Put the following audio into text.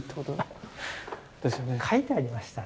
書いてありましたね。